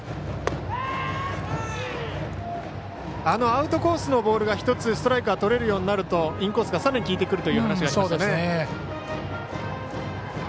あのアウトコースのボールが１つストライクがとれるようになるとインコースがさらに効いてくるという話がありました。